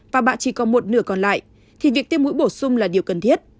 và bạn chỉ còn một nửa còn lại thì việc tiêm mũi bổ sung là điều cần thiết